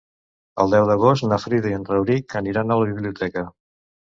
El deu d'agost na Frida i en Rauric aniran a la biblioteca.